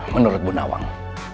menurut bu nawang